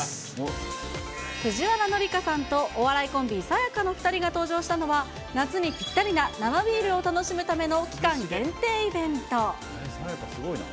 藤原紀香さんとお笑いコンビ、さや香の２人が登場したのは、夏にぴったりな生ビールを楽しむための期間限定イベント。